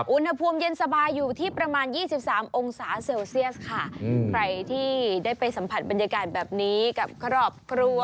อุณหภูมิเย็นสบายอยู่ที่ประมาณยี่สิบสามองศาเซลเซียสค่ะใครที่ได้ไปสัมผัสบรรยากาศแบบนี้กับครอบครัว